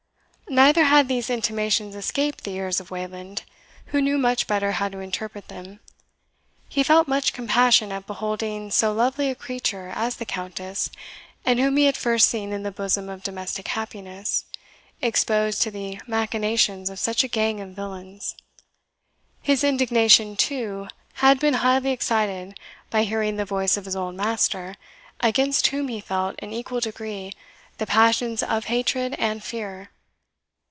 Neither had these intimations escaped the ears of Wayland, who knew much better how to interpret them. He felt much compassion at beholding so lovely a creature as the Countess, and whom he had first seen in the bosom of domestic happiness, exposed to the machinations of such a gang of villains. His indignation, too, had been highly excited by hearing the voice of his old master, against whom he felt, in equal degree, the passions of hatred and fear.